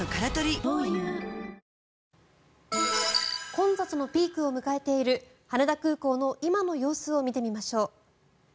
混雑のピークを迎えている羽田空港の今の様子を見てみましょう。